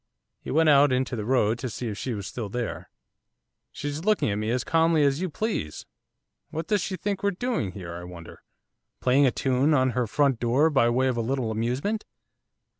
He went out into the road to see if she still was there. 'She's looking at me as calmly as you please, what does she think we're doing here, I wonder; playing a tune on her front door by way of a little amusement?